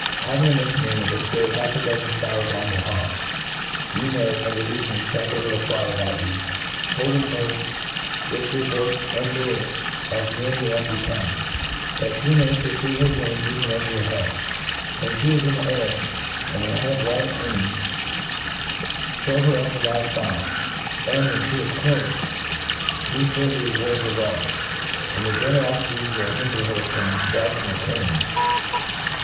Having, in this manner, beflowed half a dozen fowls on your hawk, you may, in the evening, fuffcr her to fly about you, holding her with your voice and lure as near you as you can, that (he may purfue her game even over your head* When fhe is in the air, and, her head right in, throw her up a live fowl ; and ' when fhe has killed it, be fure to reward her .well J and your generofity will hinder her from dragging or carrying.